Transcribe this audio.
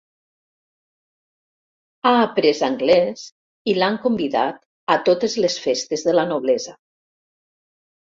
Ha après anglès i l'han convidat a totes les festes de la noblesa.